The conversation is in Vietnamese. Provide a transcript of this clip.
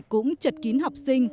cũng trật kín học sinh